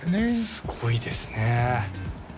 すごいですね